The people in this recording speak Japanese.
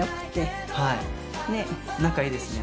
仲いいですね。